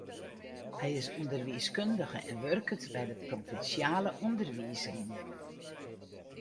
Hy is ûnderwiiskundige en wurket by de provinsjale ûnderwiisrie.